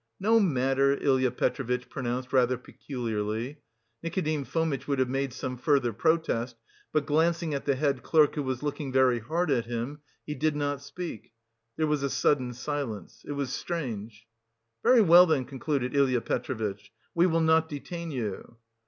"No matter," Ilya Petrovitch pronounced rather peculiarly. Nikodim Fomitch would have made some further protest, but glancing at the head clerk who was looking very hard at him, he did not speak. There was a sudden silence. It was strange. "Very well, then," concluded Ilya Petrovitch, "we will not detain you."